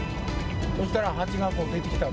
そしたらハチが出てきた。